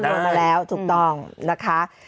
คำนวณมาแล้วถูกต้องนะคะ